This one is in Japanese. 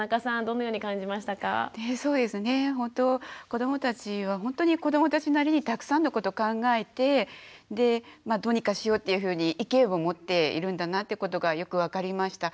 子どもたちはほんとに子どもたちなりにたくさんのこと考えてどうにかしようっていうふうに意見を持っているんだなってことがよく分かりました。